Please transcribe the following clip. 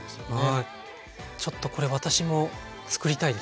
ちょっとこれ私もつくりたいです。